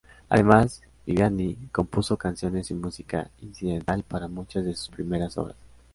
Además, Viviani compuso canciones y música incidental para muchas de sus primeras obras.